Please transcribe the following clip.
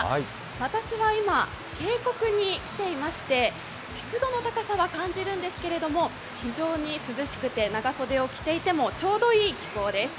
私は今、渓谷に来ていまして、湿度の高さは感じるんですけれども、非常に涼しくて、長袖を着ていてもちょうどいい気候です。